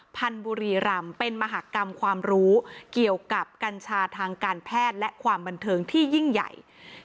บุรีรำเป็นมหากรรมความรู้เกี่ยวกับกัญชาทางการแพทย์และความบันเทิงที่ยิ่งใหญ่